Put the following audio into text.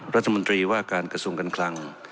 รัฐมนตรีว่าการกระทรวงการคลัง